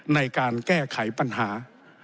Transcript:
ในการแก้ไขปัญหา